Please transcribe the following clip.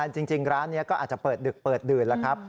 จริงร้านนี้ก็อาจจะเปิดดึกเปิดดื่นแล้วครับ